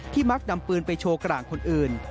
มักนำปืนไปโชว์กลางคนอื่น